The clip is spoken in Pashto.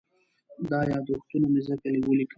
دا یادښتونه مې ځکه وليکل.